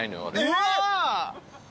うわ！